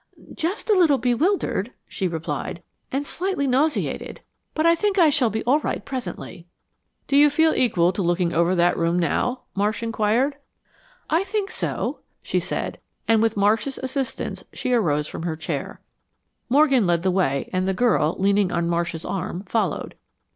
"Just a little bewildered," she replied, "and slightly nauseated, but I think I shall be all right presently." "Do you feel equal to looking over that room now?" Marsh inquired. "I think so," she said, and with Marsh's assistance, she arose from her chair. Morgan led the way and the girl, leaning on Marsh's arm, followed.